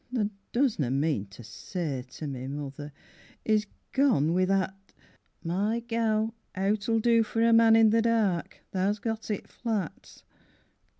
Tha doesna mean to say to me, mother, He's gone wi that My gel, owt'll do for a man i' the dark, Tha's got it flat.